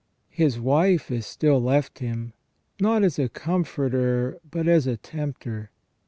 His wife is still left him, not as a comforter but as a tempter.